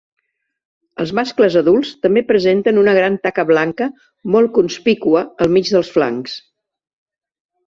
Els mascles adults també presenten una gran taca blanca molt conspícua al mig dels flancs.